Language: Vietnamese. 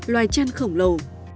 loài chăn khổng lồ